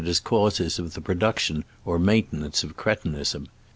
as causes of the production or mainten ance of cretinism.